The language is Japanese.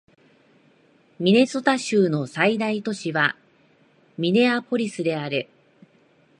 ミネソタ州の最大都市はミネアポリスである